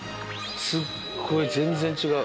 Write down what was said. すごい、全然違う。